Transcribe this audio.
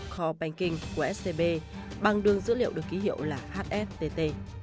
cop banking của scb bằng đường dữ liệu được ký hiệu là hstt